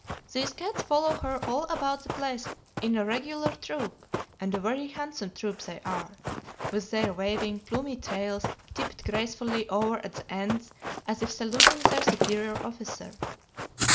These cats follow her all about the place in a regular troop, and a very handsome troop they are, with their waving, plumy tails tipped gracefully over at the ends as if saluting their superior officer.